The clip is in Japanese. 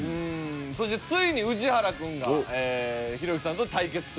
そしてついに氏原君がひろゆきさんと対決すると。